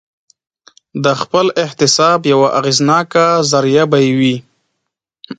د خپل احتساب یوه اغېزناکه ذریعه به یې وي.